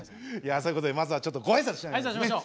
そういうことでまずはちょっとご挨拶しちゃいますね。